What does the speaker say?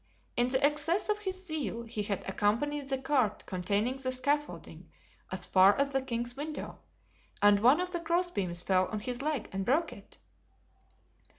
In the excess of his zeal he had accompanied the cart containing the scaffolding as far as the king's window, and one of the crossbeams fell on his leg and broke it."